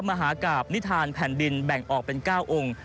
มหากราบนิทานแผ่นดินแบ่งออกเป็น๙องค์